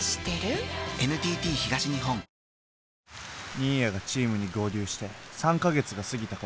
新谷がチームに合流して３かいたっ。